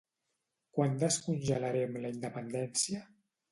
Quan descongelarem la independència?